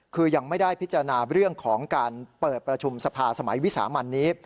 คือยังไม่ได้พิจารณาเรื่องของการเปิดประชุมสภาสมัยวิสามันนี้